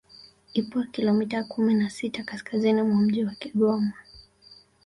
Ipo kilomita kumi na sita kaskazini mwa mji wa Kigoma